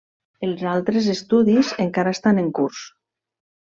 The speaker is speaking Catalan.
Els altres estudis encara estan en curs.